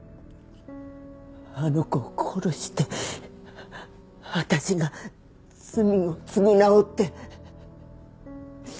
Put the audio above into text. あの子を殺して私が罪を償おうって。